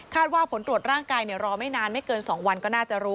ว่าผลตรวจร่างกายรอไม่นานไม่เกิน๒วันก็น่าจะรู้